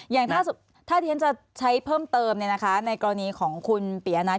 อย่างถ้าที่ฉันจะใช้เพิ่มเติมในกรณีของคุณปียะนัท